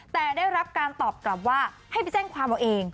แต่ได้รับการตอบกลับว่าให้ไปแจ้งความเอาเอง